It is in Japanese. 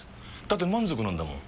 だって満足なんだもん。